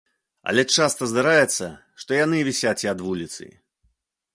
Але часта здараецца, што яны вісяць і ад вуліцы.